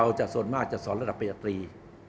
เราจะส่วนมากจะสอนระดับประหยัตรี